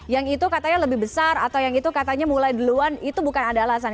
yang itu katanya lebih besar atau yang itu katanya mulai duluan itu bukan ada alasan